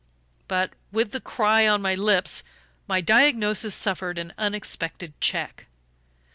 But, with the cry on my lips, my diagnosis suffered an unexpected check.